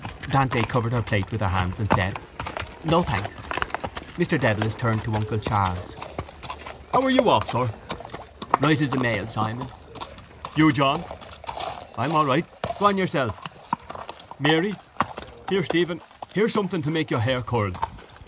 Dante covered her plate with her hands and said: —No, thanks. Mr Dedalus turned to uncle Charles. —How are you off, sir? —Right as the mail, Simon. —You, John? —I'm all right. Go on yourself. —Mary? Here, Stephen, here's something to make your hair curl.